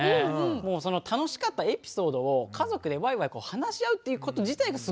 もうその楽しかったエピソードを家族でワイワイ話し合うっていうこと自体がすごいすてきですよね。